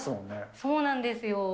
そうなんですよ。